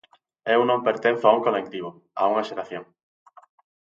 Eu non pertenzo a un colectivo, a unha xeración.